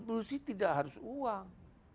kontribusi tidak harus uang